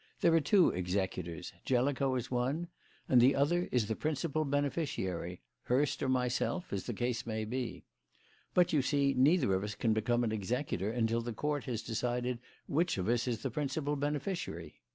There are two executors; Jellicoe is one, and the other is the principal beneficiary Hurst or myself, as the case may be. But, you see, neither of us can become an executor until the Court has decided which of us is the principal beneficiary."